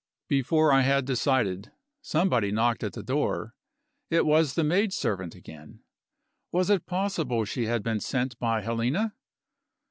Before I had decided, somebody knocked at the door. It was the maid servant again. Was it possible she had been sent by Helena?